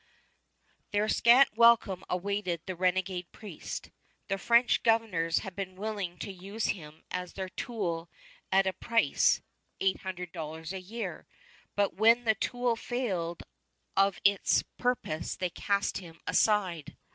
There scant welcome awaited the renegade priest. The French governors had been willing to use him as their tool at a price ($800 a year), but when the tool failed of its purpose they cast him aside.